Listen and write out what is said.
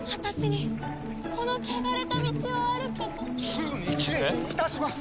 すぐにきれいにいたします！